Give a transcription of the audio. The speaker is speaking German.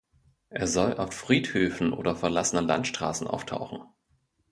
Er soll auf Friedhöfen oder verlassenen Landstraßen auftauchen.